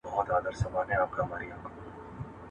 تاریخي تللپرونې د فرد په ځانګړتیاوو کې لیدل کیږي.